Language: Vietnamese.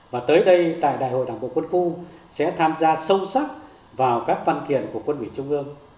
và tới đây tại đại hội đảng bộ quân khu sẽ tham gia sâu sắc vào các văn kiện của quân ủy trung ương